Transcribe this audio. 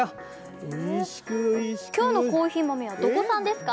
今日のコーヒー豆はどこ産ですか？